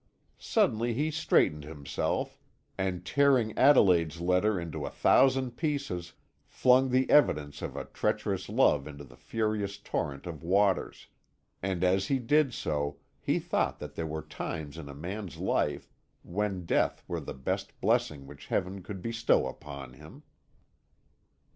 Suddenly he straightened himself, and tearing Adelaide's letter into a thousand pieces, flung the evidence of a treacherous love into the furious torrent of waters; and as he did so he thought that there were times in a man's life when death were the best blessing which Heaven could bestow upon him!